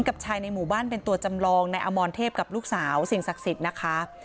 กับชายในหมู่บ้านเป็นตัวจำลองในอมรเทพกับลูกสาวสิ่งศักดิ์สิทธิ์นะคะ